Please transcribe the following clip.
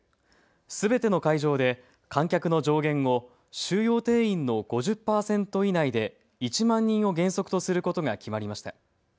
すべての会場で観客の上限を収容定員の５０％以内で１万人を原則とすることが決まりました。